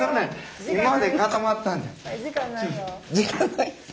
時間ないよ。